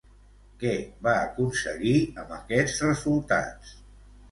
Què va aconseguir amb aquests resultats?